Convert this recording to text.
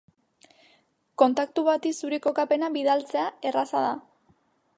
Kontaktu bati zure kokapena bidaltzea erraza da.